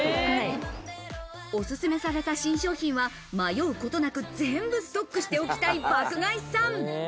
おすすめされた新商品は迷うことなく全部ストックしておきたい爆買いさん。